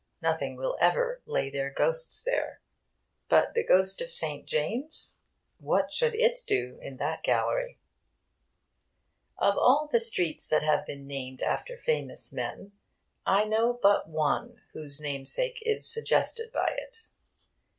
Nothing will ever lay their ghosts there. But the ghost of St. James what should it do in that galley?... Of all the streets that have been named after famous men, I know but one whose namesake is suggested by it.